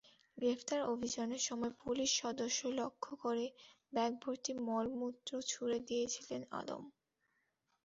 গ্রেপ্তার অভিযানের সময় পুলিশ সদস্যদের লক্ষ্য করে ব্যাগভর্তি মলমূত্র ছুড়ে দিয়েছিলেন আলম।